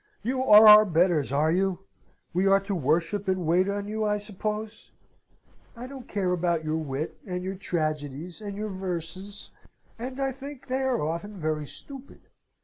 You are our betters, are you? We are to worship and wait on you, I suppose? I don't care about your wit, and your tragedies, and your verses; and I think they are often very stupid.